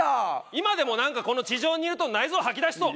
今でもなんかこの地上にいると内臓吐き出しそう。